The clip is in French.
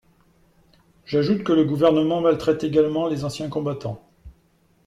J’ajoute que le Gouvernement maltraite également les anciens combattants.